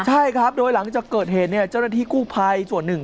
ใช่ครับโดยหลังจากเกิดเหตุเนี่ยเจ้าหน้าที่กู้ภัยส่วนหนึ่ง